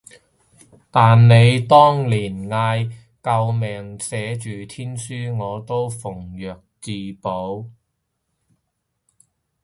但你當年份嗌救命寫作天書，我都奉若至寶